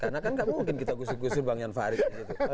karena kan tidak mungkin kita kusur kusur bang yan fadlid gitu